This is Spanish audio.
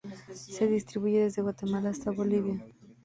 Se distribuye desde Guatemala hasta Bolivia.